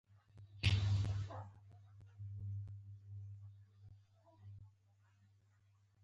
په نیت کښېنه، عمل به اسانه وي.